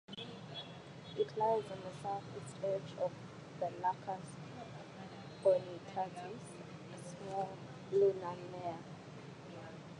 It lies on the southeast edge of the Lacus Bonitatis, a small lunar mare.